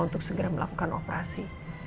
untuk segera melakukan operasi